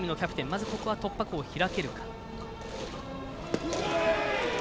まずは突破口を開けるか。